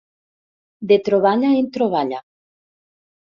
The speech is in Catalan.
De troballa en troballa.